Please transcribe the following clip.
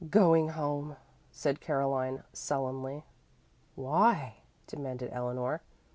"Going home," said Caroline sullenly. "Why?" demanded Eleanor.